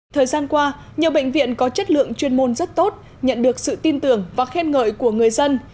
thời gian qua nhiều bệnh viện có chất lượng chuyên môn rất tốt nhận được sự tin tưởng và khen ngợi của người dân